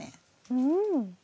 うん！